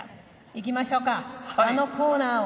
いきましょうかあのコーナーを。